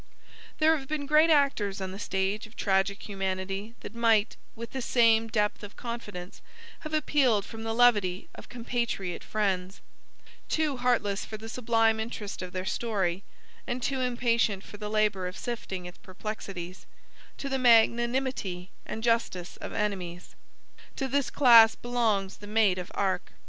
There have been great actors on the stage of tragic humanity that might, with the same depth of confidence, have appealed from the levity of compatriot friends too heartless for the sublime interest of their story, and too impatient for the labor of sifting its perplexities to the magnanimity and justice of enemies. To this class belongs the Maid of Arc.